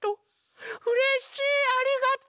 うれしいありがとう！